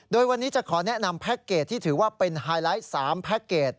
โดยวันนี้จะขอแนะนำแพ็คเกจที่ถือว่าเป็นไฮไลท์๓แพ็คเกจ